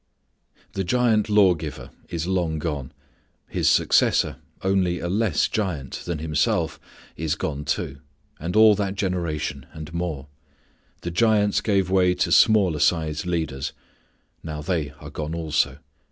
The giant lawgiver is long gone. His successor, only a less giant than himself is gone too, and all that generation, and more. The giants gave way to smaller sized leaders. Now they are gone also.